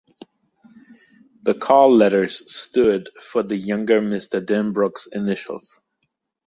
The call letters stood for the younger Mr. Denbrook's initials.